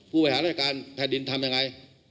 ผู้ไปหารักษาการแผ่นดินทำยังไง